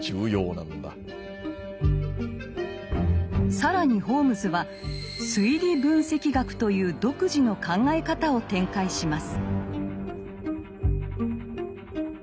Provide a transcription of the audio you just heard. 更にホームズは「推理分析学」という独自の考え方を展開します。